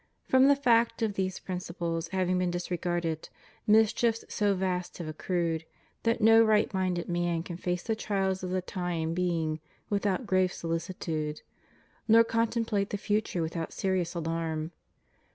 From the fact of these principles having been disregarded, mischiefs so vast have accrued that no right minded man can face the trials of the time being without grave solicitude, nor contemplate the future without serious alarm.